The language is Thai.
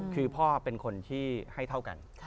คือพ่อเป็นคนที่ให้เท่ากัน